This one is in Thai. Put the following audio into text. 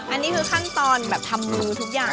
อันนี้คือขั้นตอนแบบทำมือทุกอย่าง